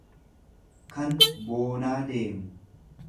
kan boonaa deemu.